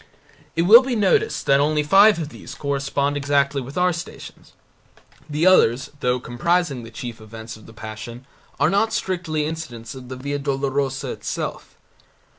It will be noticed that only five of these correspond exactly with our Stations. The others, though comprising the chief events of the Passion, are not strictly incidents of the Via Dolorosa itself.